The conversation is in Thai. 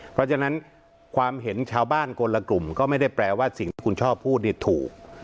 เพราะฉะนั้นความเห็นชาวบ้านคนละกลุ่มก็ไม่ได้แปลว่าสิ่งที่คุณชอบพูดนี่ถูก